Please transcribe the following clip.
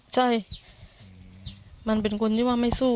ใช่มันเป็นคนที่ว่าไม่สู้